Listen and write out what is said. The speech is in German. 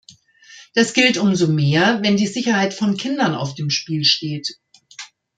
Das gilt umso mehr, wenn die Sicherheit von Kindern auf dem Spiel steht.